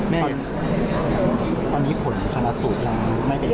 แม่ตอนนี้ผลชนสูตรยังไม่เป็นที่ได้ช้าเหรอ